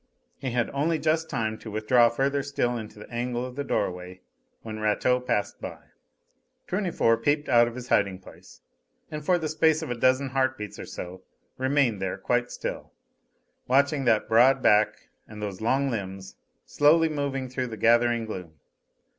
He had only just time to withdraw further still into the angle of the doorway, when Rateau passed by. Tournefort peeped out of his hiding place, and for the space of a dozen heart beats or so, remained there quite still, watching that broad back and those long limbs slowly moving through the gathering gloom.